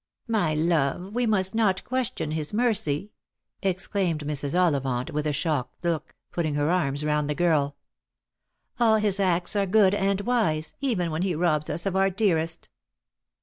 " My love, we must not question his mercy," exclaimed Mrs. Ollivant, with a shocked look, putting her arms round the girl. " All his acts are good and wise, even when He robs us of our dearest."